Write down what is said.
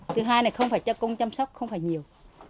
thứ hai là không phải cho công chăm sóc không phải nhiều